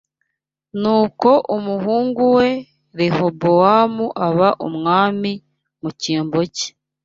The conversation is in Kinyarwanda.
Nuko umuhungu we Rehobowamu aba umwami mu cyimbo cye